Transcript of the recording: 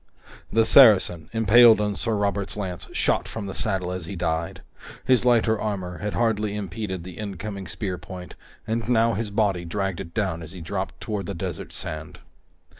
The Saracen, impaled on Sir Robert's lance, shot from the saddle as he died. His lighter armor had hardly impeded the incoming spear point, and now his body dragged it down as he dropped toward the desert sand.